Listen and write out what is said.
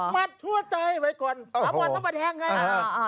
มาถั่วใจไว้ก่อนบางวันต้องไปแทงไง